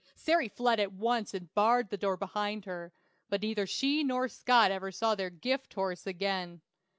Sary fled at once and barred the door behind her; but neither she nor Scott ever saw their "gift horse" again.